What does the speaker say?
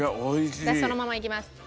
私そのままいきます。